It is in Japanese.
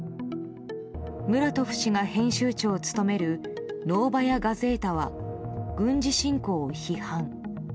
ムラトフ氏が編集長を務めるノーバヤ・ガゼータは軍事侵攻を批判。